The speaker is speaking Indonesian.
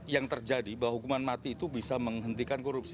yang terjadi bahwa hukuman mati itu bisa menghentikan korupsi